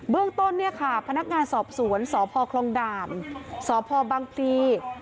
เรื่องต้นเนี่ยค่ะพนักงานสอบสวนสพคลองด่านสพบังพลี